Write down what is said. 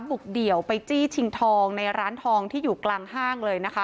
บุกเดี่ยวไปจี้ชิงทองในร้านทองที่อยู่กลางห้างเลยนะคะ